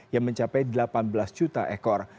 yang mencapai delapan belas juta ekor